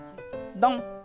ドン！